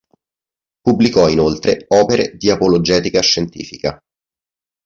Pubblicò inoltre opere di apologetica scientifica.